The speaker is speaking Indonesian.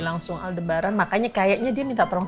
mahasiswa aldebaran makanya kayaknya dia minta t servant